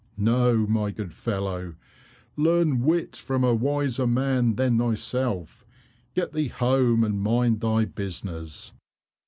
No, my good fellow, learn wit from a wiser man than thyself. Get thee home, and mind thy business."